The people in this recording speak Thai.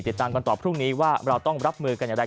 ติดตามกันต่อพรุ่งนี้ว่าเราต้องรับมือกันอย่างไร